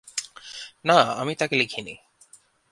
না, আমি তাকে লিখি নি।